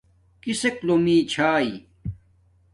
کسک لومی چھاݵ